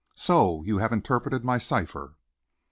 "So you have interpreted my cipher?"